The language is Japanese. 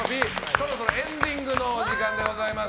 そろそろエンディングのお時間でございます。